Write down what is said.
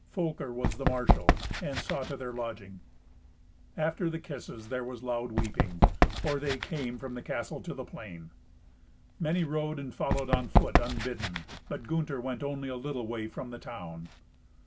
Folker was the marshal, and saw to their lodging. After the kisses there was loud weeping, or they came from the castle to the plain. Many rode and followed on foot unbidden, but Gunther went only a little way from the town.